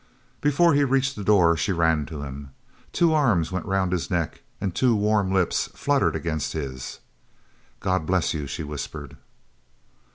Before he reached the door she ran to him. Two arms went round his neck, two warm lips fluttered against his. "God bless you!" she whispered.